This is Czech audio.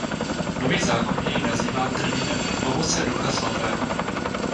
Nový zákon jej nazývá termínem "ovoce Ducha Svatého".